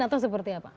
atau seperti apa